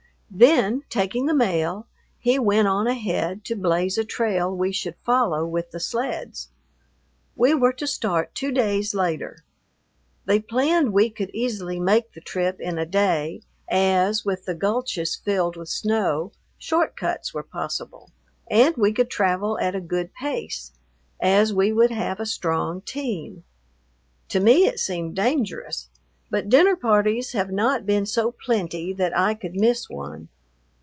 Then, taking the mail, he went on ahead to blaze a trail we should follow with the sleds. We were to start two days later. They planned we could easily make the trip in a day, as, with the gulches filled with snow, short cuts were possible, and we could travel at a good pace, as we would have a strong team. To me it seemed dangerous, but dinner parties have not been so plenty that I could miss one.